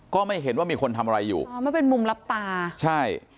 ก็ไม่เห็นว่ามีคนทำอะไรอยู่อ๋อมันเป็นมุมลับตาใช่